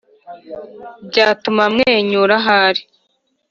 Byatuma mwenyura ahari